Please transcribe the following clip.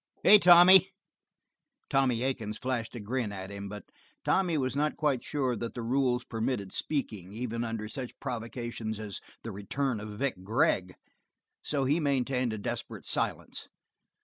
Hey, Tommy!" Tommy Aiken flashed a grin at him, but Tommy was not quite sure that the rules permitted speaking, even under such provocation as the return of Vic Gregg, so he maintained a desperate silence.